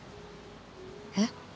えっ？